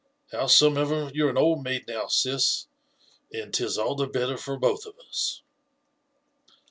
Howsomever, you're an old maid now, sis, and 'tis all the better for both of us.